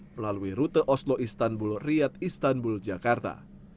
melalui rute oslo istanbul riyad istanbul jakarta